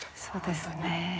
そうですね。